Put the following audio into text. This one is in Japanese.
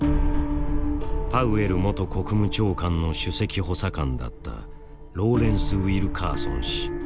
パウエル元国務長官の首席補佐官だったローレンス・ウィルカーソン氏。